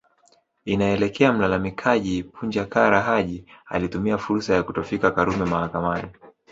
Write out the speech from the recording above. Inaelekea mlalamikaji Punja Kara Haji alitumia fursa ya kutofika Karume mahakamani